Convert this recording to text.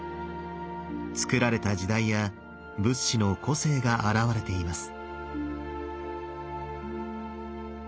造られた時代や仏師の個性が表れています。